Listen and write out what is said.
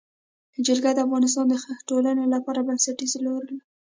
جلګه د افغانستان د ټولنې لپاره بنسټيز رول لري.